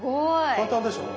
簡単でしょ？